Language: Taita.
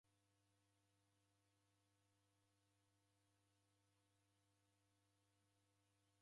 W'adaw'ida ndewitesianagha angu w'aobua kuchumbwa.